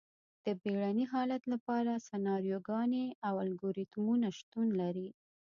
د بیړني حالت لپاره سناریوګانې او الګوریتمونه شتون لري.